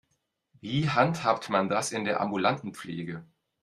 Wie handhabt man das in der ambulanten Pflege?